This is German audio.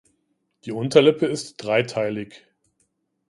Die Unterlippe ist dreiteilig.